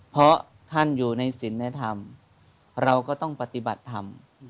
เพราะท่านอยู่ในศิลธรรมเราก็ต้องปฏิบัติธรรม